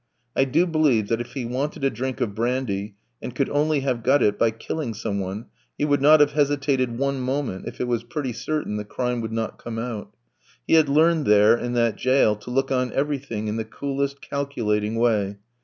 I do believe that if he wanted a drink of brandy, and could only have got it by killing some one, he would not have hesitated one moment if it was pretty certain the crime would not come out. He had learned there, in that jail, to look on everything in the coolest calculating way.